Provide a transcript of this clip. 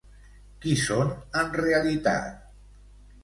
Qui són en realitat?